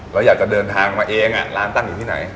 แล้วอยากจะเดินทางมาเองร้านตั้งอยู่ที่ไหน